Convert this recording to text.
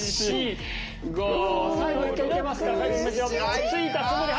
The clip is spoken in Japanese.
あっついたつもり。